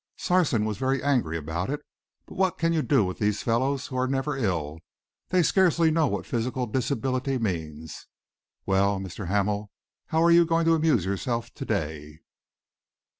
Sarson was very angry about it, but what can you do with these fellows who are never ill? They scarcely know what physical disability means. Well, Mr. Hamel, and how are you going to amuse yourself to day?"